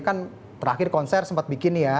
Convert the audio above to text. kan terakhir konser sempat bikin ya